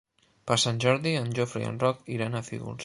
Per Sant Jordi en Jofre i en Roc iran a Fígols.